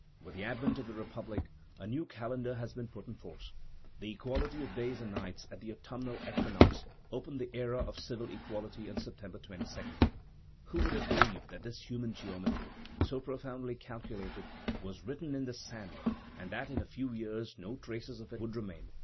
With the advent of the Republic a new calendar had been put in force. The equality of days and nights at the autumnal equinox opened the era of civil equality on September 22. "Who would have believed that this human geometry, so profoundly calculated, was written in the sand, and that in a few years no traces of it would remain?